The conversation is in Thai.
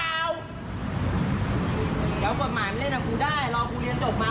เกาะประมาณเลยนะกูได้รอกูเรียนจบมา